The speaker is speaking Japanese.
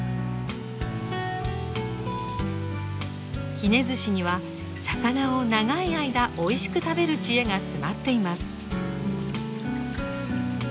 ひねずしには魚を長い間おいしく食べる知恵が詰まっています。